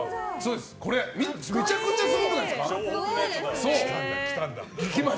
これ、めちゃくちゃすごくないですか。